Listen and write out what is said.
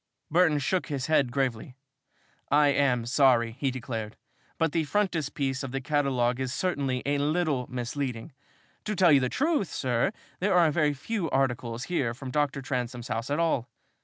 Burton shook his head gravely. "I am sorry," he declared, "but the frontispiece of the catalogue is certainly a little misleading. To tell you the truth, sir, there are very few articles here from Dr. Transome's house at all.